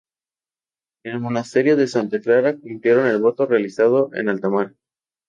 En el Monasterio de Santa Clara cumplieron el voto realizado en alta mar.